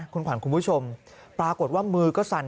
คุณขวัญคุณผู้ชมปรากฏว่ามือก็สั่น